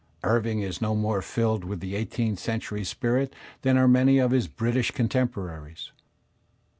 Irving is no more filled with the eighteenth century spirit than are many of his British contemporaries.